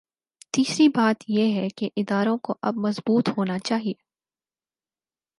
تیسری بات یہ کہ اداروں کو اب مضبوط ہو نا چاہیے۔